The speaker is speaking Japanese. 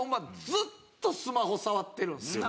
ずっとスマホ触ってるんですよ。